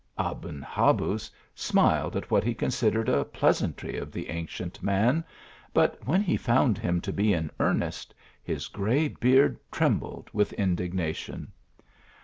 Aben Habuz smiled at what he considered a pleas antry of the ancient man ; but when he found him to be in earnest, his gray beard trembled with indig nation.